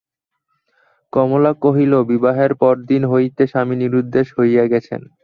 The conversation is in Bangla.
কমলা কহিল, বিবাহের পরদিন হইতেই স্বামী নিরুদ্দেশ হইয়া গেছেন।